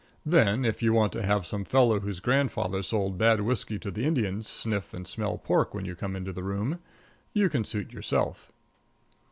Then, if you want to have some fellow whose grandfather sold bad whiskey to the Indians sniff and smell pork when you come into the room, you can suit yourself.